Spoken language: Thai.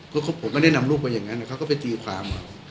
เพราะผมก็ได้นำรูปว่าอย่างนั้นเขาก็ไปตีความอ่ะ